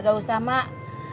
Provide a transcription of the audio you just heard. gak usah emak